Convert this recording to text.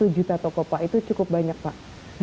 satu juta toko pak itu cukup banyak pak